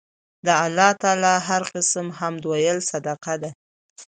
د الله تعالی هر قِسم حمد ويل صدقه ده